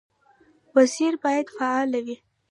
وزیر باید فعال وي